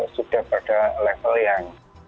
sudah pada level yang